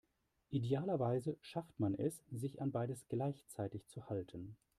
Idealerweise schafft man es, sich an beides gleichzeitig zu halten.